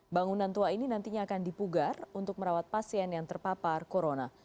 bangunan tua ini nantinya akan dipugar untuk merawat pasien yang terpapar corona